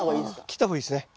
切った方がいいですね。